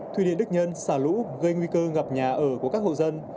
thuyền đức nhân xã lũ gây nguy cơ ngập nhà ở của các hộ dân